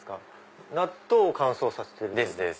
納豆を乾燥させてる？ですです。